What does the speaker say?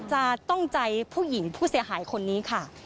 จะต้องใจผู้หญิงผู้เสียหายคนนี้ค่ะ